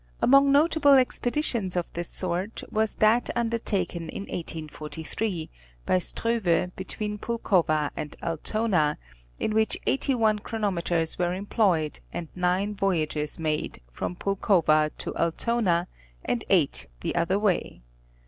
Among notable expeditions of this sort was that undertaken in 1843, by Struve between Pulkova and Altona, in which eighty one chronometers were employed and nine voyages made from Pulkova to Altona and eight the other. way.